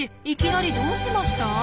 いきなりどうしました？